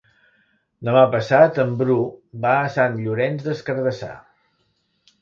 Demà passat en Bru va a Sant Llorenç des Cardassar.